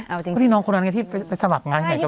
เพราะที่น้องคนนั้นที่ไปสมัครงานอย่างนี้ก็ไม่ได้เนาะ